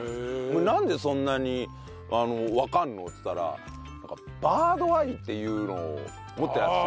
なんでそんなにわかるの？って言ったらバードアイっていうのを持ってるらしい。